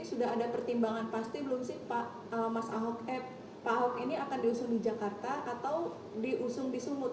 sudah ada pertimbangan pasti belum sih pak ahok ini akan diusung di jakarta atau diusung di sumut